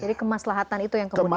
jadi kemaslahatan itu yang kemudian